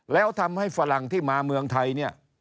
แล้วทำให้ฝรั่งที่มาเมืองไทยเนี่ย